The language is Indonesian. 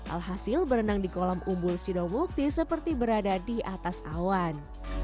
alhasil berenang di kolam umbul sidowukti seperti berada di atas awan